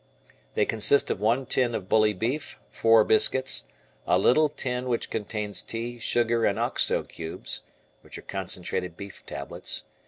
They consist of one tin of bully beef, four biscuits, a little tin which contains tea, sugar, and Oxo cubes (concentrated beef tablets).